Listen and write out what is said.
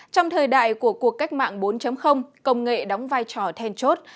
trong thời đại của cuộc cách mạng bốn công nghệ đóng vai trò then chốt